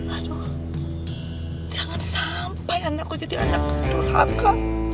aduh jangan sampai anakku jadi anak sederhana